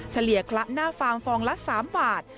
เฉลี่ยคละหน้าฟาร์มฟองละ๓บาท